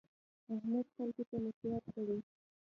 احمد خلکو ته نصیحت کوي.